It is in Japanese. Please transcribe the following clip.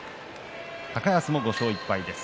高安も５勝１敗です。